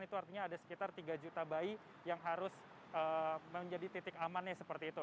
itu artinya ada sekitar tiga juta bayi yang harus menjadi titik amannya seperti itu